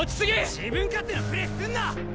自分勝手なプレーすんな！